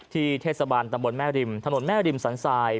เทศบาลตำบลแม่ริมถนนแม่ริมสันทราย